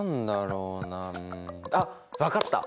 うん。あっ分かった！